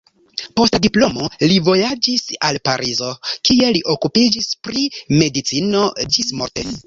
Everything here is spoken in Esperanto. Post la diplomo li vojaĝis al Parizo, kie li okupiĝis pri medicino ĝismorte.